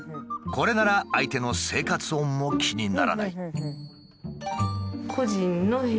これなら相手の生活音も気にならない。